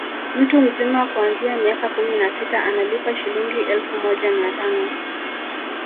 Mtu mzima kuanzia miaka kumi na sita analipa Shilingi elfu moja mia tano